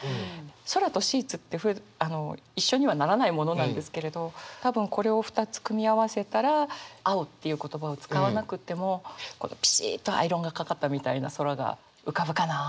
「空」と「シーツ」って一緒にはならないものなんですけれど多分これを２つ組み合わせたら「青」っていう言葉を使わなくてもぴしーっとアイロンがかかったみたいな空が浮かぶかなあ。